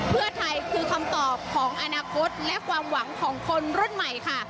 เพื่อไทยคือคำตอบของอนาคตและความหวังของคนรุ่นใหม่ค่ะ